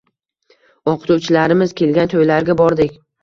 Oʻqituvchilarimiz kelgan toʻylarga bordik.